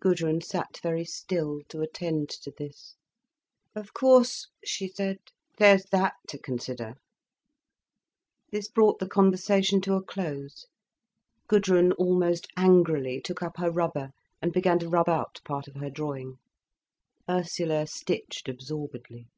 Gudrun sat very still, to attend to this. "Of course," she said, "there's that to consider." This brought the conversation to a close. Gudrun, almost angrily, took up her rubber and began to rub out part of her drawing. Ursula stitched absorbedly.